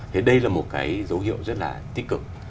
thì đây là một cái dấu hiệu rất là tích cực